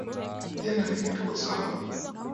Yeye na mimi tuko sawa